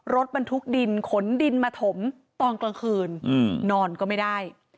รถบรรทุกดินขนดินมาถมตอนกลางคืนนอนก็ไม่ได้